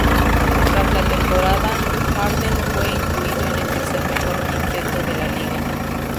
Tras la temporada, Harden fue incluido en el tercer mejor quinteto de la liga.